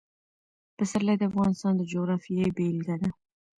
پسرلی د افغانستان د جغرافیې بېلګه ده.